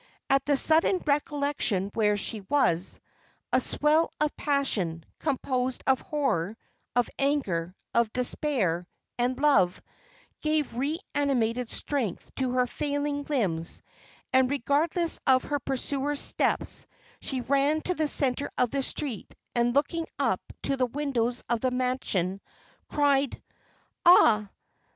At the sudden recollection where she was, a swell of passion, composed of horror, of anger, of despair, and love, gave reanimated strength to her failing limbs; and, regardless of her pursuer's steps, she ran to the centre of the street, and, looking up to the windows of the mansion, cried, "Ah!